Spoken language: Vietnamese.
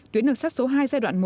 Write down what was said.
tuyến đường sát số hai giai đoạn một